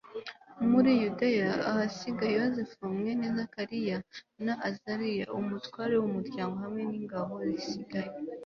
muri yudeya ahasiga yozefu mwene zakariya na azariya, umutware w'umuryango hamwe n'ingabo zisigaye